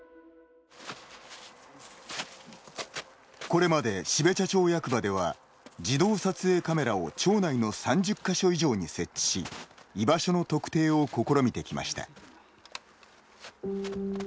これまで、標茶町役場では自動撮影カメラを町内の３０か所以上に設置し居場所の特定を試みてきました。